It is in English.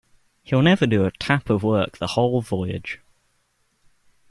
He'll never do a tap of work the whole Voyage.